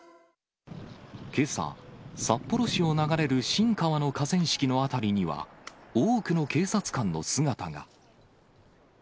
けさ、札幌市を流れる新川の河川敷の辺りには、多くの警察官の姿が。